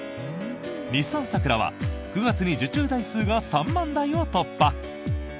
日産サクラは９月に受注台数が３万台を突破。